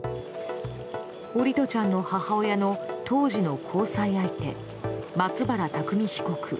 桜利斗ちゃんの母親の当時の交際相手、松原拓海被告。